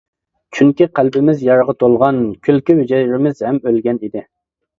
چۈنكى قەلبىمىز يارىغا تولغان، كۈلكە ھۈجەيرىمىز ھەم ئۆلگەن ئىدى.